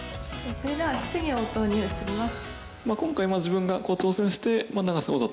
それでは質疑応答に移ります。